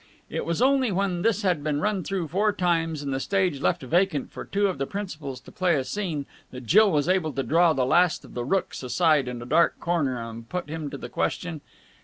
It was only when this had been run through four times and the stage left vacant for two of the principals to play a scene that Jill was able to draw the Last of the Rookes aside in a dark corner and put him to the question.